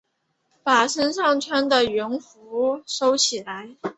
把身上穿的羽绒外套收起来